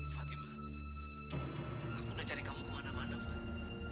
fatima aku udah cari kamu kemana mana fat